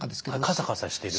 カサカサしてる。